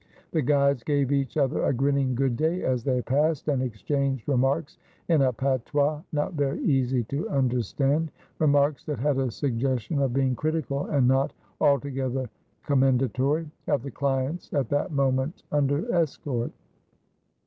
The guides gave each other a grinning good day as they passed, and exchanged re marks in a patois not very easy to understand ; remarks that had a suggestion of being critical, and not altogether commen datory, of the clients at that moment under escort.